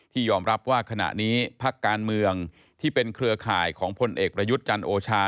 ยอมรับว่าขณะนี้พักการเมืองที่เป็นเครือข่ายของพลเอกประยุทธ์จันทร์โอชา